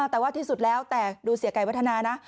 แต่ว่าที่สุดแล้วแต่ดูเสียไก่วัฒนานะ